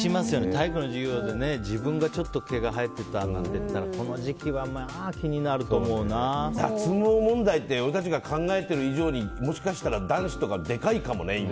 体育の授業で自分だけ毛が生えてたら脱毛問題って俺たちが考えてる以上にもしかしたら男子とかでかいかもね、今。